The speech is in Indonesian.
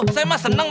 saya mah senang